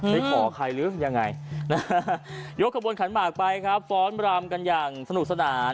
ไปขอใครหรือยังไงยกขบวนขันหมากไปครับฟ้อนรำกันอย่างสนุกสนาน